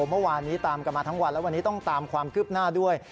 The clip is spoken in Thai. เมื่อวานนี้ตามกันมาทั้งวันและวันนี้ต้องตามความคืบหน้าด้วย